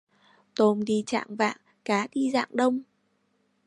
Tôm đi chạng vạng, cá đi rạng đông.